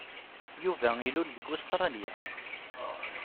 Yuba ilul deg Ustṛalya.